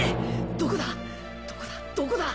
どこだどこだ！？